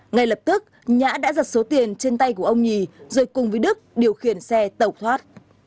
ngay lập tức nhã đã giật số tiền trên tay của ông nhì rồi cùng với đức điều khiển xe tẩu thoát